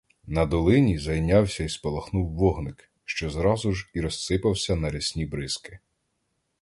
На долині зайнявся й спалахнув вогник, що зразу ж і розсипався на рясні бризки.